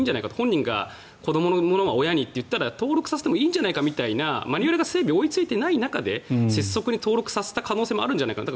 本人が子どものものは親に登録させてもいいんじゃないかみたいなマニュアルの整備が追いついていない中で拙速に登録させた可能性もあるんじゃないかと。